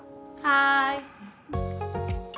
はい。